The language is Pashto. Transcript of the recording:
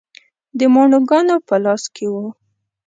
د ماڼوګانو په لاس کې و.